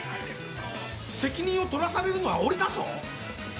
責任を取らされるのは俺だぞ。